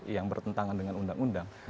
yang bertentangan dengan undang undang